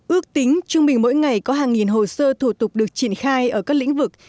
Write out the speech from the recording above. ước tính trung bình mỗi ngày có hàng nghìn hồ sơ thủ tục được triển khai ở các lĩnh vực